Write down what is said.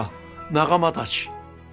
仲間たち！